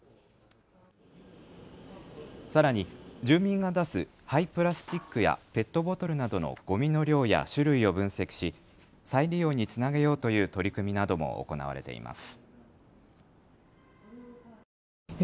さらに住民が出す廃プラスチックやペットボトルなどのごみの量や種類を分析し再利用につなげようという取り組みなども行われています。